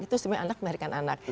itu sebenarnya anak menarikan anak